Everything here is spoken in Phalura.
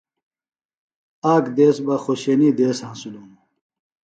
آک دیس بہ خوشینی دیس ہینسِلوۡ ہِنوۡ